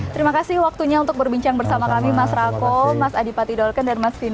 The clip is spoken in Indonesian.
terima kasih waktunya untuk berbincang bersama kami mas rako mas adipati dolken dan mas vino